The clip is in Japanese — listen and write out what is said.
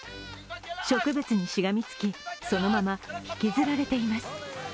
植物にしがみつき、そのまま引きずられています。